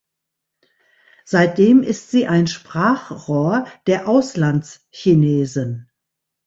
Seitdem ist sie ein Sprachrohr der Auslandschinesen.